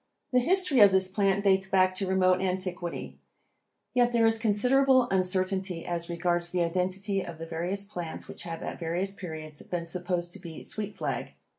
The history of this plant dates back to remote antiquity, yet there is considerable uncertainty as regards the identity of the various plants which have at various periods been supposed to be sweet flag.